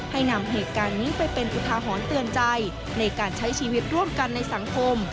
ให้นำเหตุการณ์นี้ไปเป็นอุทาหรณ์เตือนใจในการใช้ชีวิตร่วมกันในสังคม